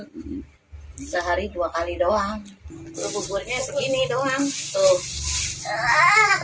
buburnya segini doang tuh